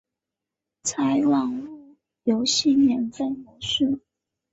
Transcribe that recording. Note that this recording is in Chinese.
采网路游戏免费模式。